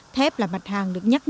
thép là mặt hàng được nhắc ra